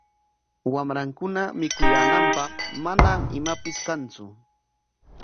Wamrankuna mikuyaananpaq manam imapis kantsu.